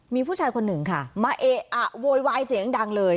มีผู้ชายคนหนึ่งค่ะมาเอะอะโวยวายเสียงดังเลย